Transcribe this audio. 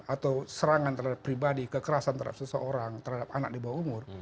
atau serangan terhadap pribadi kekerasan terhadap seseorang terhadap anak di bawah umur